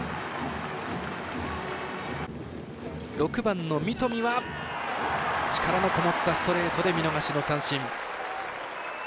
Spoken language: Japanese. ６番の三富は力のこもったストレートで見逃しの三振。